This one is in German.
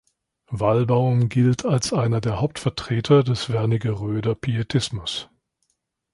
Walbaum gilt als einer der Hauptvertreter des Wernigeröder Pietismus.